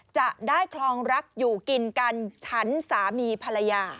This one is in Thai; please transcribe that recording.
จะได้คลองรักอยู่กินกันฉันสามีภรรยา